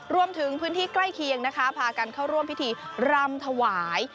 พื้นที่ใกล้เคียงนะคะพากันเข้าร่วมพิธีรำถวาย